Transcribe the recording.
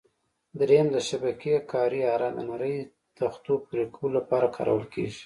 درېیم: د شبکې کارۍ اره: د نرۍ تختو پرېکولو لپاره کارول کېږي.